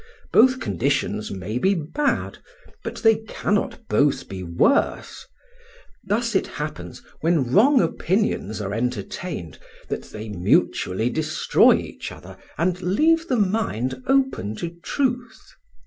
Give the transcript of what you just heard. Both conditions may be bad, but they cannot both be worse. Thus it happens, when wrong opinions are entertained, that they mutually destroy each other and leave the mind open to truth."